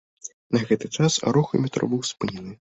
На гэты час рух у метро быў спынены.